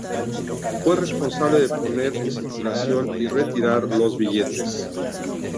Fue responsable de poner en circulación y retirar los billetes.